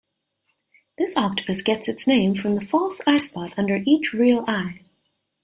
This octopus gets its name from the false eye spot under each real eye.